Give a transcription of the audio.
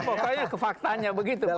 pokoknya ke faktanya begitu